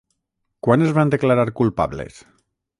Quan es van declarar culpables?